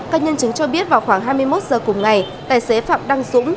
các nhân chứng cho biết vào khoảng hai mươi một giờ cùng ngày tài xế phạm đăng dũng